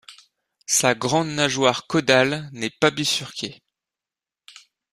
Sa grande nageoire caudale n'est pas bifurquée.